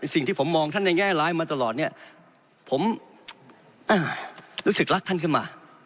สิ่งที่ผมมองท่านในแง่ร้ายมาตลอดเนี่ยผมรู้สึกรักท่านขึ้นมา